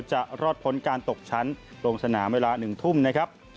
จะรอดพ้นการตกชั้นลงสนามเวลา๑ทุ่มนะครับ